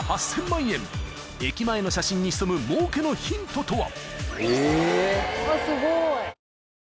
［駅前の写真に潜む儲けのヒントとは？］